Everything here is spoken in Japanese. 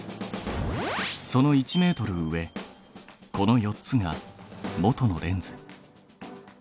その１ｍ上この４つが元のレンズ。